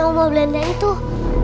aku ga dera patah